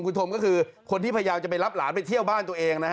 คุณธมก็คือคนที่พยายามจะไปรับหลานไปเที่ยวบ้านตัวเองนะฮะ